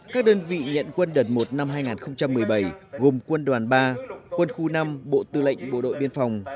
các đơn vị nhận quân đợt một năm hai nghìn một mươi bảy gồm quân đoàn ba quân khu năm bộ tư lệnh bộ đội biên phòng